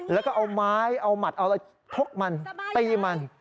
แล้วก็เอามายเอามัดทบมันตีมัน